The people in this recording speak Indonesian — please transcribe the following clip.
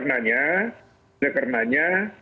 nah oleh karenanya